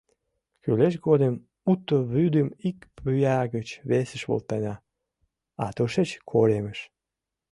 Кӱлеш годым уто вӱдым ик пӱя гыч весыш волтена, а тушеч — коремыш...